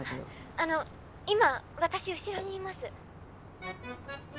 あの今私後ろにいます！